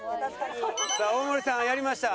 さあ大盛さんやりました。